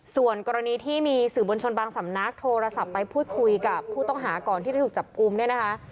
ส่วนกรณีที่มีสื่อบนชนบางสำนักโทรศัพท์ไปพูดคุยกับผู้ต้องหาก่อนที่จะถูกจับกลุ่มเนี่ยนะคะ